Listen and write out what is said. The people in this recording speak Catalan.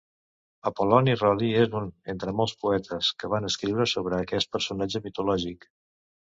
Apol·loni Rodi és un entre molts poetes que van escriure sobre aquest personatge mitològic.